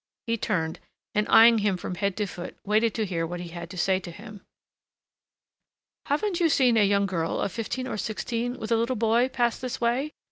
He turned, and, eyeing him from head to foot, waited to hear what he had to say to him. "Haven't you seen a young girl of fifteen or sixteen, with a little boy, pass this way?"